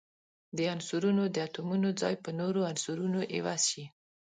د عنصرونو د اتومونو ځای په نورو عنصرونو عوض شي.